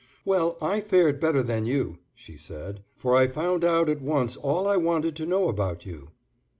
"Well, I fared better than you," she said, "for I found out at once all I wanted to know about you."